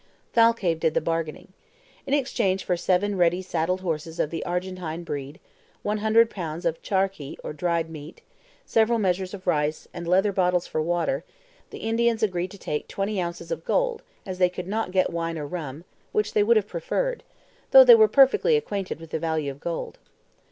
Thalcave did the bargaining. It did not take long. In exchange for seven ready saddled horses of the Argentine breed, 100 pounds of CHARQUI, or dried meat, several measures of rice, and leather bottles for water, the Indians agreed to take twenty ounces of gold as they could not get wine or rum, which they would have preferred, though they were perfectly acquainted with the value of gold.